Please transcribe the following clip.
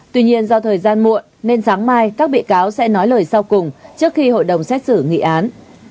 tuy nhiên do thời gian muộn nên sáng mai các bị cáo sẽ nói lời sau cùng trước khi hội đồng xét xử nghị án